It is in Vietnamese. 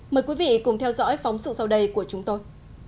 mời quý vị cùng theo dõi phóng sự sau đây của chúng tôi